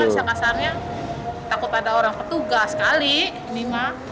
kalo siang kan sekasarnya takut ada orang ketugas sekali ini mah